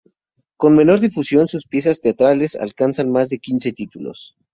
Con menor difusión, sus piezas teatrales alcanzan más de quince títulos.